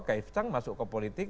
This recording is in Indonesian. kaisang masuk ke politik